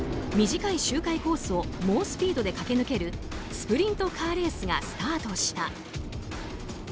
短い周回コースを猛スピードで駆け抜けるスプリントカーレースがスタートした。